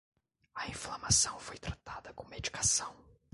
A inflamação foi tratada com medicação